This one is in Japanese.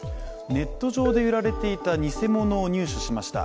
ネット上で売られていた偽物を入手しました。